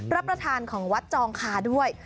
รับประทานของวัดจองคาด้วย